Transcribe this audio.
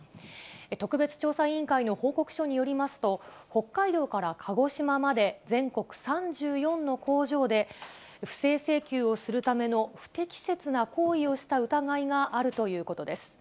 特別調査委員会の報告書によりますと、北海道から鹿児島まで、全国３４の工場で、不正請求をするための不適切な行為をした疑いがあるということです。